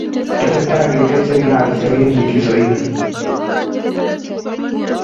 tesetai ketechei klassisie eng likisoit ni.